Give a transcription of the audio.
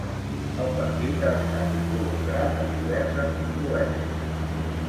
El partit ha estat involucrat en diverses controvèrsies.